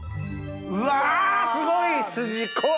うわすごい！筋子！